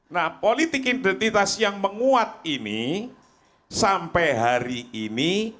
nah politik identitas yang menguat ini sampai hari ini